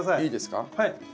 いいですか？